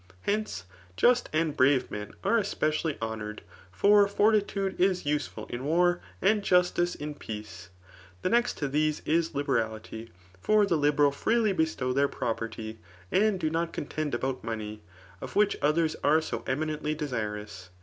Hence, just and brave men are especially honoured; for fortitude is useful in war, and justice in peace. The next to these is libe* rality. For the liberal freely bestow their property, and do not contend about money, of which others are 86 eminently desirous.